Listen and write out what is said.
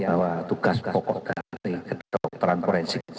bahwa tugas pokok dari kedokteran forensik